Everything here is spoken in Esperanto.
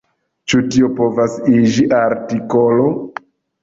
Ĉu tio povas iĝi artikolo?